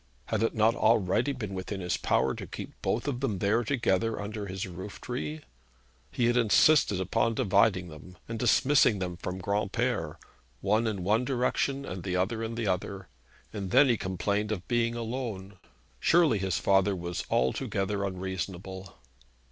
Had it not already been within his power to keep both of them there together under his roof tree? He had insisted on dividing them, and dismissing them from Granpere, one in one direction, and the other in another; and then he complained of being alone! Surely his father was altogether unreasonable.